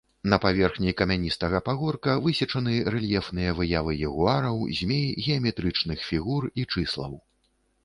На паверхні камяністага пагорка высечаны рэльефныя выявы ягуараў, змей, геаметрычных фігур і чыслаў.